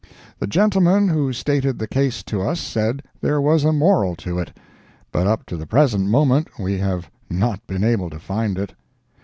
The gentleman who stated the case to us said there was a moral to it, but up to the present moment we have not been able to find it.